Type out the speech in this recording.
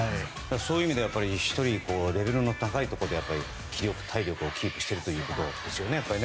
そういう意味では、１人レベルの高いところで気力、体力をキープしているということですね。